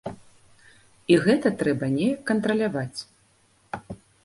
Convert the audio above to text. І гэта трэба неяк кантраляваць.